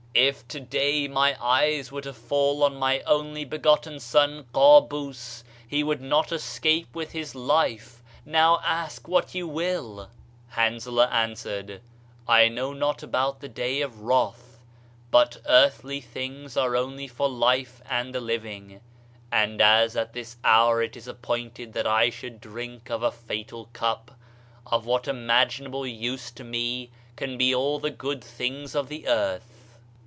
If today my eyes were to fall on my only begotten son Kabus, he could not escape with his life. Now ask what you will I" Hanzalah answered, "I know not about the day of wrath ; but earthly things are only for life and the living; and as at this hour it is appointed that I should drink of a fatal cup, of what imagin able use to me can be all the good things of the earth?"